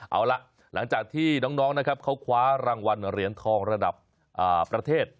เอาล่ะหลังจากที่น้องนะครับเขาคว้ารางวัลเหรียญทองระดับประเทศ